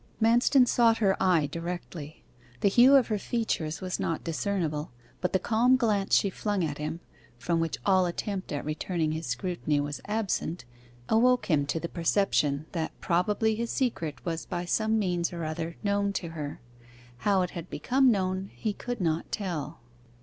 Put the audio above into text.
Manston sought her eye directly. The hue of her features was not discernible, but the calm glance she flung at him, from which all attempt at returning his scrutiny was absent, awoke him to the perception that probably his secret was by some means or other known to her; how it had become known he could not tell.